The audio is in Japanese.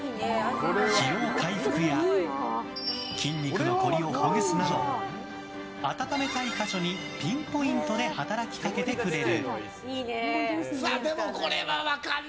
疲労回復や筋肉の凝りをほぐすなど温めたい箇所にピンポイントで働きかけてくれる。